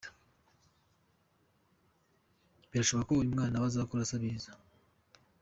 Birashoboka ko uyu mwana azakura nawe asabiriza.